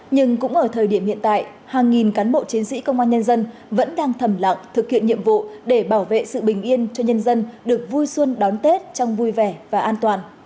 nhưng cũng ở thời điểm hiện tại hàng nghìn cán bộ chiến sĩ công an nhân dân vẫn đang thầm lặng thực hiện nhiệm vụ để bảo vệ sự bình yên cho nhân dân được vui xuân đón tết trong vui vẻ và an toàn